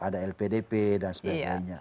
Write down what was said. ada lpdp dan sebagainya